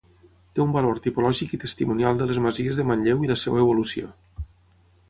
Té un valor tipològic i testimonial de les masies de Manlleu i la seva evolució.